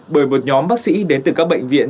bởi một nhóm bác sĩ đến từ các bệnh viện